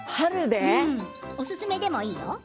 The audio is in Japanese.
おすすめでもいいよ。